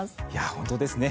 本当ですね。